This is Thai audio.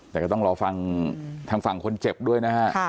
แต่ก็ต้องรอฟังทางฝั่งคนเจ็บด้วยนะฮะ